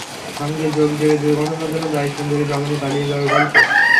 সঙ্গে যোগ দেবে দুর্ঘটনায় জন্য দায়ী সুন্দরী রমণী পালিয়ে যাওয়ার গল্প।